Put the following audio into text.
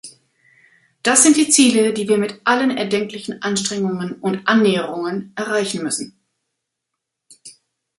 Das sind die Ziele, die wir mit allen erdenklichen Anstrengungen und Annäherungen erreichen müssen.